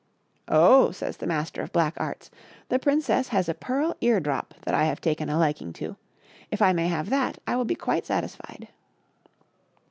" Oh !*' says the Master of Black Arts, " the princess has a pearl ear drop that I have taken a liking to , if I may have that I will be quite satisfied."